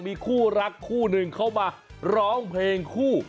มีคู่รักคู่หนึ่งเข้ามาร้องเพลงคู่